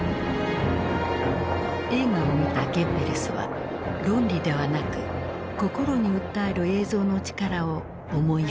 映画を見たゲッベルスは論理ではなく心に訴える映像の力を思い知った。